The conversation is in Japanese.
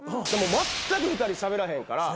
まったく２人しゃべらへんから。